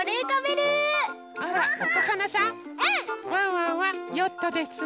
ワンワンはヨットです。